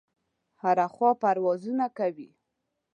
هره خوا پروازونه کوي.